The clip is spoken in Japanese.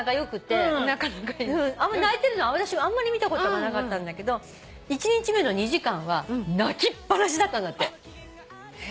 泣いてるの私はあんまり見たことなかったんだけど１日目の２時間は泣きっぱなしだったんだって。